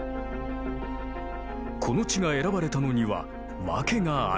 この地が選ばれたのには訳がある。